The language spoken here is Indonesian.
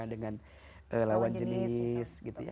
dengan lawan jenis